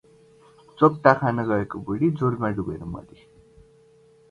चोक्टा खान गएको बुडी झोल्मा डुबेर मोरि